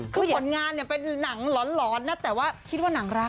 คือผลงานเนี่ยเป็นหนังหลอนนะแต่ว่าคิดว่าหนังรัก